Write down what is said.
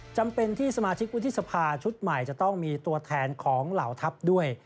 จำเป็นที่สมาชิกวุฒิสภาชุดใหม่จะต้องมีตัวแทนของเหล่าทัพด้วย